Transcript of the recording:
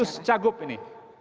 khusus cagup ini